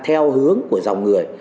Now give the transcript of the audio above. theo hướng của dòng người